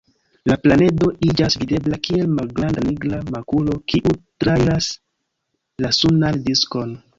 La planedo iĝas videbla kiel malgranda nigra makulo, kiu trairas la sunan diskon.